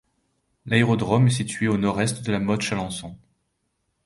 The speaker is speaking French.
L'aérodrome est situé à Nord-Est de La Motte-Chalancon.